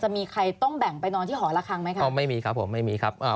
จะมีใครต้องแบ่งไปนอนที่หอละครั้งไหมคะก็ไม่มีครับผมไม่มีครับอ่า